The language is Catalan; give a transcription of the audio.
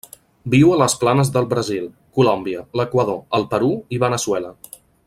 Viu a les planes del Brasil, Colòmbia, l'Equador, el Perú i Veneçuela.